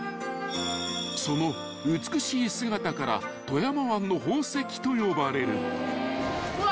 ［その美しい姿から富山湾の宝石と呼ばれる］うわ！